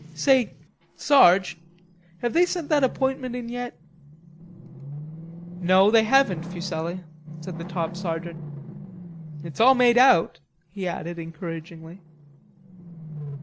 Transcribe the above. "Say, Sarge, have they sent that appointment in yet?" "No, they haven't, Fuselli," said the top sergeant. "It's all made out," he added encouragingly.